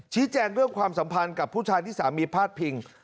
แจ้งเรื่องความสัมพันธ์กับผู้ชายที่สามีพาดพิง